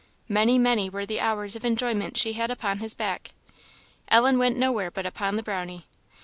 Many, many were the hours of enjoyment she had upon his back. Ellen went nowhere but upon the Brownie.